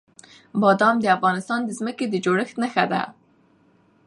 بادام د افغانستان د ځمکې د جوړښت نښه ده.